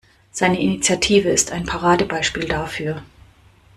Seine Initiative ist ein Paradebeispiel dafür.